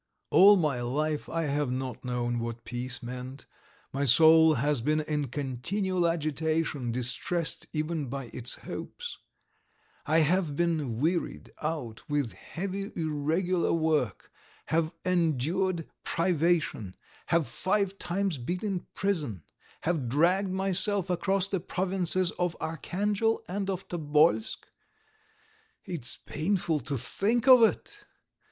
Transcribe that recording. All my life I have not known what peace meant, my soul has been in continual agitation, distressed even by its hopes ... I have been wearied out with heavy irregular work, have endured privation, have five times been in prison, have dragged myself across the provinces of Archangel and of Tobolsk ... it's painful to think of it!